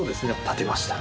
建てました。